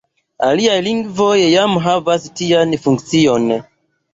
Aliaj lingvoj jam havas tian funkcion.